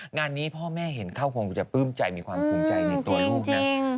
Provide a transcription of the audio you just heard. งานนี้พ่อแม่เห็นเข้าคงจะปลื้มใจมีความภูมิใจในตัวลูกนะ